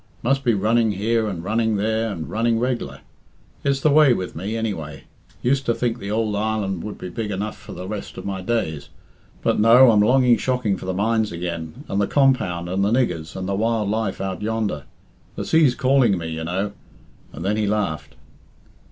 Must be running here and running there and running reg'lar. It's the way with me, anyway. Used to think the ould island would be big enough for the rest of my days. But, no! I'm longing shocking for the mines again, and the compound, and the niggers, and the wild life out yonder. 'The sea's calling me,' you know." And then he laughed.